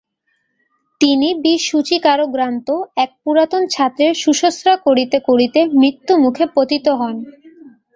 তিনি বিসূচিকারোগাক্রান্ত এক পুরাতন ছাত্রের শুশ্রূষা করিতে করিতে মৃত্যুমুখে পতিত হন।